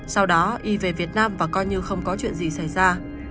sau đó y về việt nam và coi như không có chuyện gì xảy ra